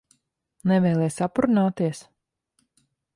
Nevēlies aprunāties?